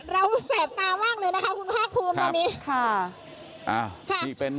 เราแสบตามากเลยนะคะคุณภาคภูมิครับตอนนี้ค่ะอ่าค่ะมีเป็น